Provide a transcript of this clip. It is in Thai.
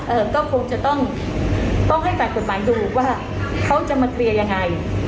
เอ่อก็คงจะต้องต้องให้ฝ่ายกฎหมายดูว่าเขาจะมาเคลียร์ยังไง